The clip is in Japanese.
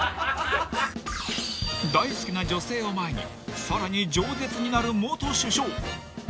［大好きな女性を前にさらに饒舌になる元首相］